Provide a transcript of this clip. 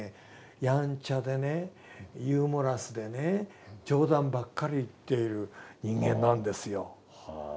やんちゃでねユーモラスでね冗談ばっかり言っている人間なんですよ。